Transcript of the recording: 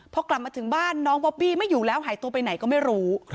พอกลับมาถึงบ้านน้องบอบบี้ไม่อยู่แล้วหายตัวไปไหนก็ไม่รู้